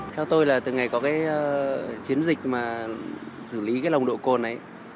theo tôi là từ ngày có cái chiến dịch mà giữ lý cái nông độ cồn ấy